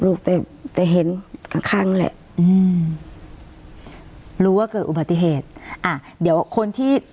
ลูกแต่แต่เห็นข้างแหละอืมรู้ว่าเกิดอุบัติเหตุอ่าเดี๋ยวคนที่